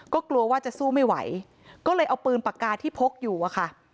ก็กลัวว่าจะสู้ไม่ไหวก็เลยเอาปืนปากกาที่พกอยู่อะค่ะ